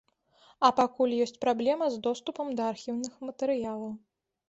А пакуль ёсць праблема з доступам да архіўных матэрыялаў.